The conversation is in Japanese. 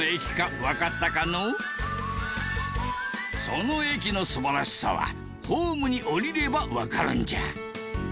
その駅の素晴らしさはホームに降りればわかるんじゃ。